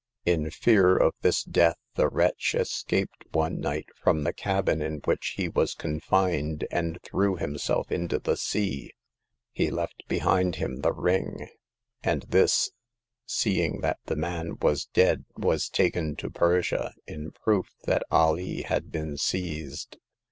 In fear of this death, the wretch escaped one night from the cabin in which he was confined, and threw himself into the sea. He left behind him the ring ; and this, seeing that the man was dead, was taken to Persia, in proof that Alee had been seized.